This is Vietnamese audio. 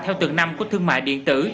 theo từng năm của thương mại điện tử